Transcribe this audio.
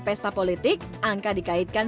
pesta politik angka dikaitkan